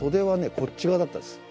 こっち側だったんです。